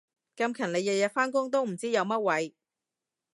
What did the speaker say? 咁勤力日日返工都唔知有乜謂